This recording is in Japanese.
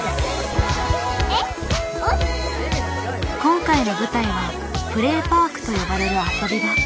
今回の舞台は「プレーパーク」と呼ばれる遊び場。